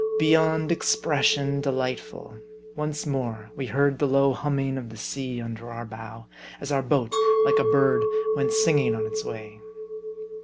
Beyond expression delightful ! Once more we heard the low humming of the sea under our bow, as our boat, like a bird, went singing on its way.